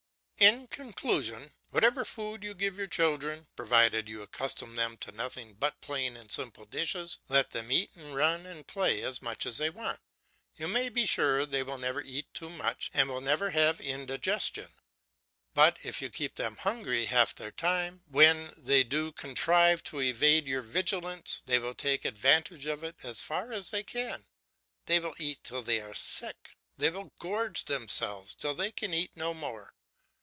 In conclusion, whatever food you give your children, provided you accustom them to nothing but plain and simple dishes, let them eat and run and play as much as they want; you may be sure they will never eat too much and will never have indigestion; but if you keep them hungry half their time, when they do contrive to evade your vigilance, they will take advantage of it as far as they can; they will eat till they are sick, they will gorge themselves till they can eat no more.